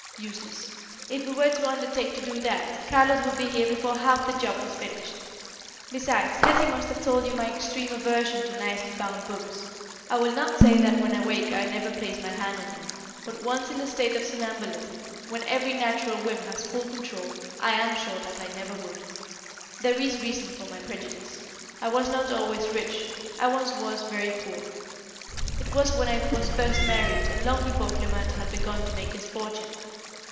"Useless. If we were to undertake to do that, Carlos would be here before half the job was finished. Besides, Hetty must have told you my extreme aversion to nicely bound books. I will not say that when awake I never place my hand on one, but once in a state of somnambulism, when every natural whim has full control, I am sure that I never would. There is a reason for my prejudice. I was not always rich. I once was very poor. It was when I was first married and long before Clement had begun to make his fortune.